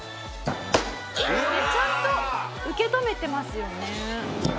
ちゃんと受け止めてますよね。